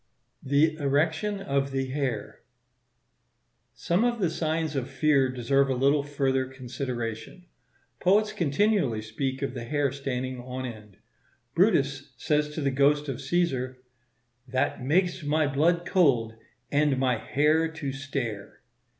The erection of the hair.—Some of the signs of fear deserve a little further consideration. Poets continually speak of the hair standing on end; Brutus says to the ghost of Caesar, "that mak'st my blood cold, and my hair to stare."